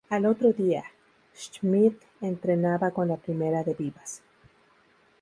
Al otro día, Schmidt entrenaba con la Primera de Vivas.